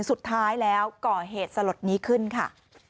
สุดท้ายแล้วก่อเหตุสลดนี้ขึ้นค่ะ